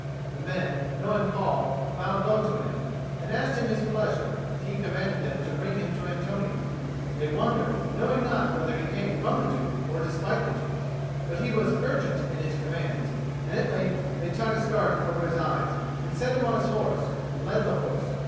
The men, knowing Paul, bowed low to him, and asked him his pleasure, and he commanded them to bring him to Antonio. They wondered, knowing not whether he came from the Duke or despite the Duke; but he was urgent in his commands, and at length they tied a scarf over his eyes, and set him on his horse, and led the horse.